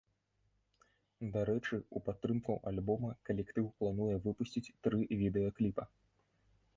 Дарэчы, у падтрымку альбома калектыў плануе выпусціць тры відэакліпа.